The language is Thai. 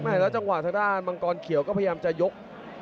แล้วจังหวะทางด้านมังกรเขียวก็พยายามจะยก